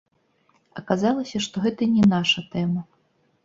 Аказалася, што гэта не наша тэма.